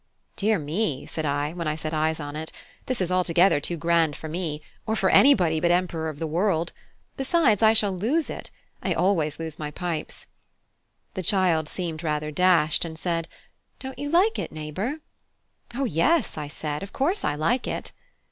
"Dear me!" said I, when I set eyes on it, "this is altogether too grand for me, or for anybody but the Emperor of the World. Besides, I shall lose it: I always lose my pipes." The child seemed rather dashed, and said, "Don't you like it, neighbour?" "O yes," I said, "of course I like it."